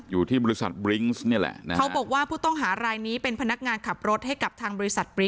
อยู่ที่บริษัทบริงซ์นี่แหละนะครับเขาบอกว่าผู้ต้องหารายนี้เป็นพนักงานขับรถให้กับทางบริษัทปรี